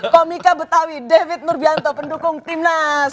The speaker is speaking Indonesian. komika betawi david nurbianto pendukung timnas